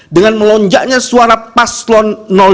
dengan melonjaknya suara paslon dua